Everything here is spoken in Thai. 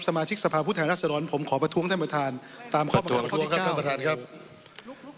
สมาชิกสภาพุทธแห่งรัฐศรรณผมขอประท้วงท่านประธานตามข้อบังคับข้อที่๑๙